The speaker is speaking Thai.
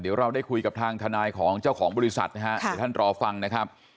เดี๋ยวเราได้คุยกับทางทนายของเจ้าของบริษัทนะฮะเดี๋ยวท่านรอฟังนะครับ